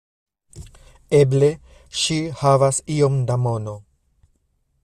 Eble ŝi havas iom da mono.